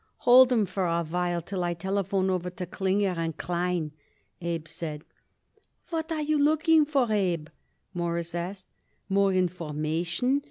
"Hold 'em for a while till I telephone over to Klinger & Klein," Abe said. "What you looking for, Abe?" Morris asked. "More information?